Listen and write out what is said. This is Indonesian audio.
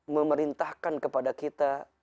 memerintahkan kepada kita